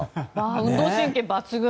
運動神経抜群。